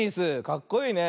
かっこいいね。